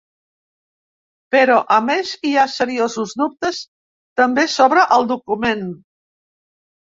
Però, a més, hi ha seriosos dubtes també sobre el document.